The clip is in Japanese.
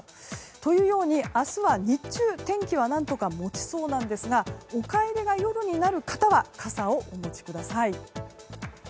というように、明日は日中天気は何とか持ちそうですがお帰りが夜になる方は傘をお持ちください。